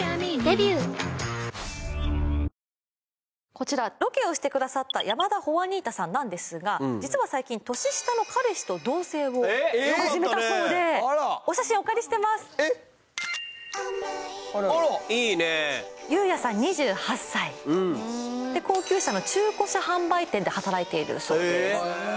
こちらロケをしてくださった山田ホアニータさんなんですが実は最近年下の彼氏と同棲を始めたそうでお写真お借りしてますいいねゆうやさん２８歳高級車の中古車販売店で働いているそうです